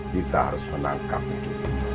kita harus menangkapnya